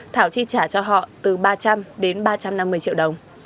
thảo chi trả cho họ từ ba trăm linh đến ba trăm năm mươi triệu đồng